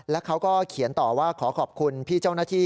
แล้วเขาก็เขียนต่อว่าขอขอบคุณพี่เจ้าหน้าที่